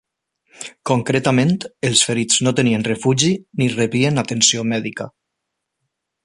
Concretament, els ferits no tenien refugi ni rebien atenció mèdica.